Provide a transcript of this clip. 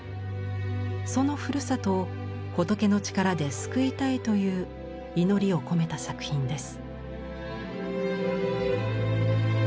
そのふるさとを仏の力で救いたいという祈りを込めた作品です。